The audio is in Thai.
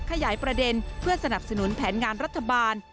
ขยายประเด็นเพื่อสนับสนุนแผนงานรัฐบาล